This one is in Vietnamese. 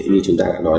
như chúng ta đã nói